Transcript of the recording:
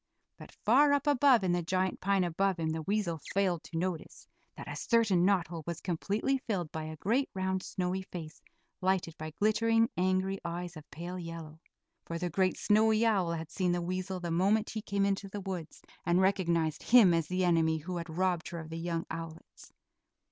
But far up above in the giant pine above him the weasel failed to notice that a certain knot hole was completely filled by a great, round, snowy face lighted by glittering, angry eyes, of pale yellow. For the great snowy owl had seen the weasel the moment he came into the woods, and recognized him as the enemy who had robbed her of the young owlets.